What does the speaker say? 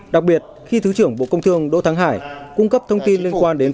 đặc biệt khi thứ trưởng bộ công thương đỗ thắng hải cung cấp thông tin liên quan đến